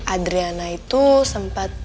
adriana itu sempet